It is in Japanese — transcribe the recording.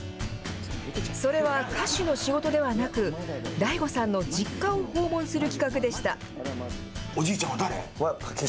それは歌手の仕事ではなく、ＤＡＩＧＯさんの実家を訪問する企画でした。